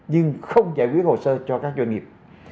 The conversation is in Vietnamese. nhưng không giải quyết hồ sơ cho các doanh nghiệp